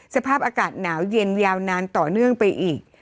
สภาพอากาศหนาวเย็นยาวนานต่อเนื่องไปอีก